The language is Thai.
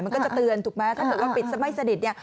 มันก็จะเตือนถูกไหมถ้าเกิดว่าปิดซะไม่สนิทเนี่ย